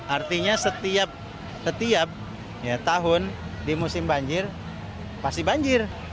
artinya setiap tahun di musim banjir pasti banjir